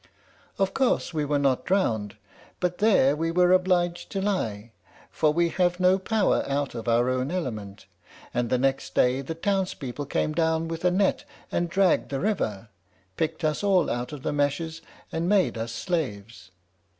"Of course we were not drowned, but there we were obliged to lie, for we have no power out of our own element; and the next day the towns people came down with a net and dragged the river, picked us all out of the meshes, and made us slaves.